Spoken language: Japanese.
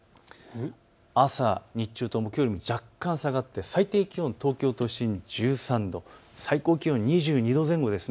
朝、日中ともきょうより若干下がって最低気温、東京都心１３度、最高気温２２度前後です。